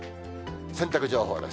洗濯情報です。